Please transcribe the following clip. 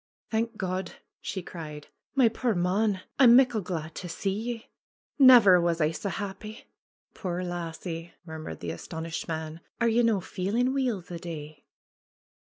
^^Thank God !" she cried. ^^My puir mon ! I'm muckle glad to see ye. Never was I sae happy !" 'Tuire lassie!" murmured the astonished man. '^Are ye no' feelin' weel the day